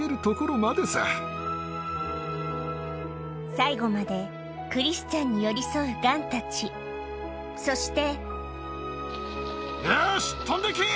最後までクリスチャンに寄り添うガンたちそしてよし飛んでけ！